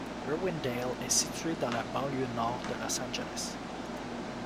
Irwindale est située dans la banlieue nord de Los Angeles.